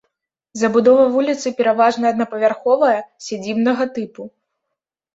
Забудова вуліцы пераважна аднапавярховая сядзібнага тыпу.